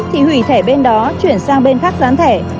thì hủy thẻ bên đó chuyển sang bên khác gián thẻ